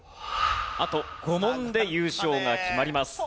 あと５問で優勝が決まります。